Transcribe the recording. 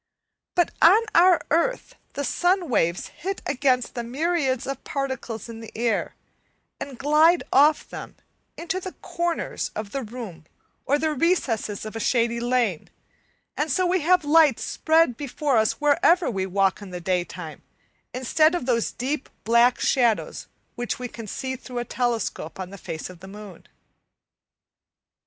But on our earth the sun waves hit against the myriads of particles in the air and glide off them into the corners of the room or the recesses of a shady lane, and so we have light spread before us wherever we walk in the daytime, instead of those deep black shadows which we can see through a telescope on the face of the moon.